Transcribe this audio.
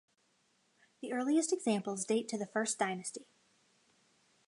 The earliest examples date to the First Dynasty.